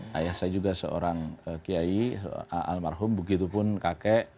saya juga seorang kiai almarhum begitu pun kakek